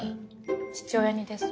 父親似です。